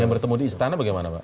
yang bertemu di istana bagaimana pak